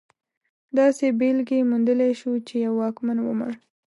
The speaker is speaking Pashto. داسې بېلګې موندلی شو چې یو واکمن ومړ.